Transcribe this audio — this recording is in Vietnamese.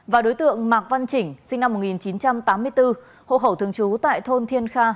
và đối tượng mạc văn chỉnh sinh năm một nghìn chín trăm tám mươi bốn hộ khẩu thường trú tại thôn thiên khang